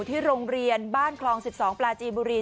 ที่โรงเรียนบ้านคลอง๑๒ปลาจีนบุรี